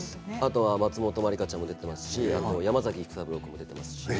松本まりかちゃんも出ていますし山崎育三郎も出ています。